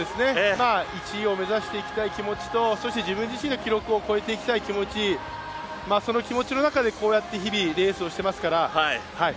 １位を目指していきたい気持ちと自分自身の記録を超えていきたい気持ちその気持ちの中で日々レースをしていますから。